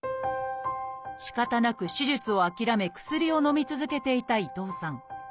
しかたなく手術を諦め薬をのみ続けていた伊藤さん。